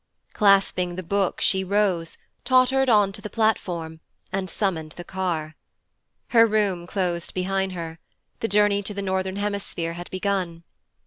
Clasping the Book, she rose, tottered on to the platform, and summoned the car. Her room closed behind her: the journey to the northern hemisphere had begun.